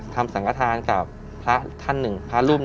ทำสังฆาธารกับพระท่านหนึ่ง